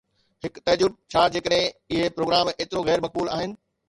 هڪ تعجب: ڇا جيڪڏهن اهي پروگرام ايترو غير مقبول آهن؟